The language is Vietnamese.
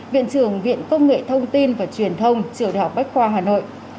viện trưởng viện công nghệ thông tin và truyền thông trường đại học bách khoa hà nội